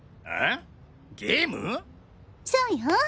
そうよ。